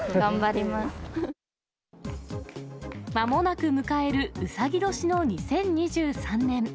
まもなく迎える、うさぎ年の２０２３年。